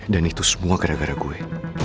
dan itu semua gara gara gue